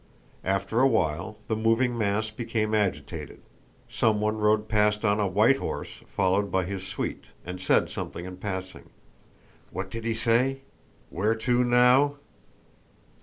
After a while the moving mass became agitated, someone rode past on a white horse followed by his suite, and said something in passing: "What did he say? Where to, now?